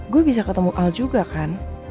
gue bisa ketemu al juga kan